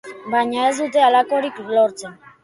Baina ez dute halakorik lortzen.